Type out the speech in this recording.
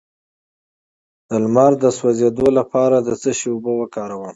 د لمر د سوځیدو لپاره د څه شي اوبه وکاروم؟